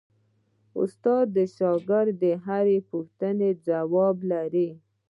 استاد د شاګرد د هرې پوښتنې ځواب لري.